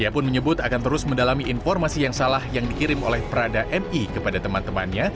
ia pun menyebut akan terus mendalami informasi yang salah yang dikirim oleh prada mi kepada teman temannya